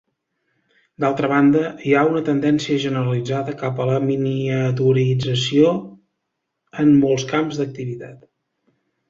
D'altra banda, hi ha una tendència generalitzada cap a la miniaturització en molts camps d'activitat.